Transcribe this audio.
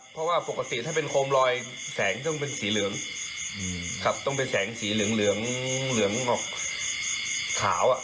เพราะว่าปกติถ้าเป็นโคมลอยแสงต้องเป็นสีเหลืองครับต้องเป็นแสงสีเหลืองออกขาว